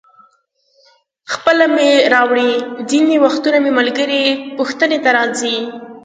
خپله مې راوړي، ځینې وختونه مې ملګري پوښتنې ته راځي.